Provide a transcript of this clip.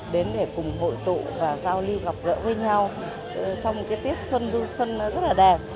đến để cùng hội tụ và giao lưu gặp gỡ với nhau trong cái tết xuân du xuân rất là đẹp